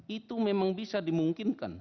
itu memang bisa dimungkinkan